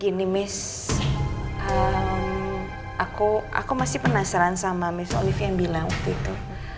gini miss aku masih penasaran sama miss olivia yang bilang waktu itu